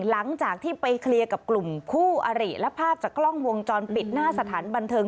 หลังจากที่ไปเคลียร์กับกลุ่มคู่อริและภาพจากกล้องวงจรปิดหน้าสถานบันเทิง